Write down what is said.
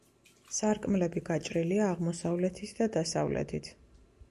სარკმლები გაჭრილია აღმოსავლეთით და დასავლეთით.